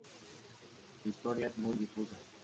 Su historia es muy difusa.